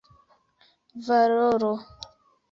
valoro